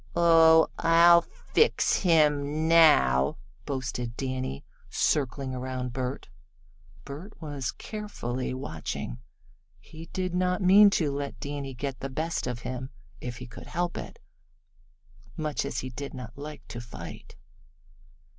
"Oh, I'll fix him now," boasted Danny, circling around Bert. Bert was carefully watching. He did not mean to let Danny get the best of him if he could help it, much as he did not like to fight.